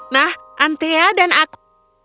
nah antea dan aku